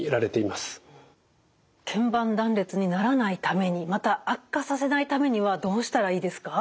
けん板断裂にならないためにまた悪化させないためにはどうしたらいいですか？